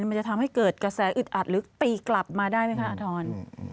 มันจะทำให้เกิดกระแสอึดอัดหรือตีกลับมาได้ไหมคะอาทร